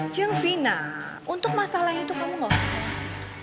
cengvina untuk masalah itu kamu gak usah khawatir